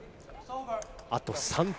あと３点。